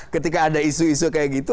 ketika ada isu isu seperti itu